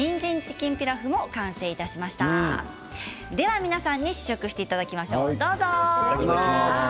では皆さんに試食していただきましょう、どうぞ。